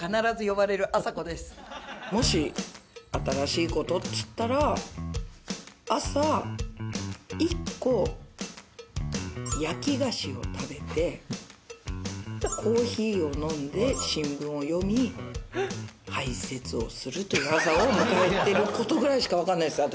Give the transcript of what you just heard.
もし新しいことっつったら朝１個焼き菓子を食べてコーヒーを飲んで新聞を読み排せつをするという朝を迎えてることぐらいしか分かんないです私。